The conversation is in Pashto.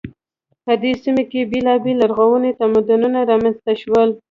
په دې سیمه کې بیلابیل لرغوني تمدنونه رامنځته شول.